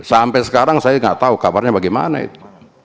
sampai sekarang saya nggak tahu kabarnya bagaimana itu